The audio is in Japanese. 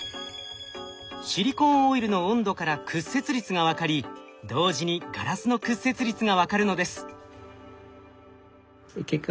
シリコーンオイルの温度から屈折率が分かり同時にガラスの屈折率が分かるのです。